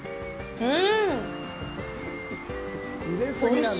うん。